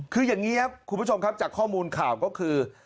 คืออย่างนี้ครับคุณผู้ชมครับจากข้อมูลข่าวก็คือ